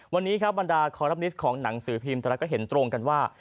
วันนี้ครับบรรดาคอลัมนิสต์ของหนังสือพิมพ์แต่ละก็เห็นตรงกันว่า